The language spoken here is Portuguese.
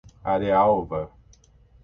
Arealva